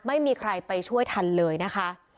ไม่มีใครไปช่วยทันเลยนะคะ